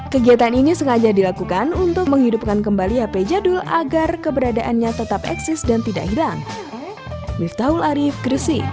kegiatan ini sengaja dilakukan untuk menghidupkan kembali hp jadul agar keberadaannya tetap eksis dan tidak hilang